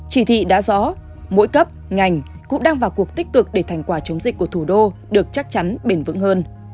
chỉ thị đã rõ mỗi cấp ngành cũng đang vào cuộc tích cực để thành quả chống dịch của thủ đô được chắc chắn bền vững hơn